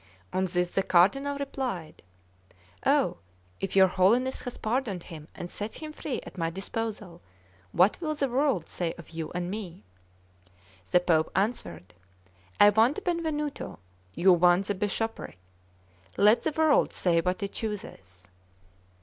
On this the Cardinal replied: "Oh, if your Holiness has pardoned him and set him free at my disposal, what will the world say of you and me?" The Pope answered: "I want Benvenuto, you want the bishopric; let the world say what it chooses."